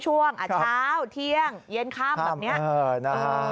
ช่วงเช้าเที่ยงเย็นค่ำแบบนี้